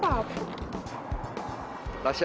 aduh gimana sih